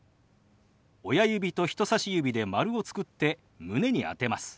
親指と人さし指で丸を作って胸に当てます。